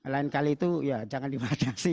lain kali itu ya jangan diberi kasih